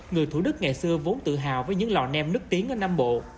người thủ đức ngày xưa vốn tự hào với những lò nem nức tiếng ở nam bộ